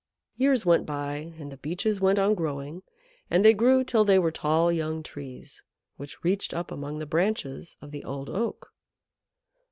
Years went by, and the Beeches went on growing, and they grew till they were tall young Trees, which reached up among the branches of the Old Oak.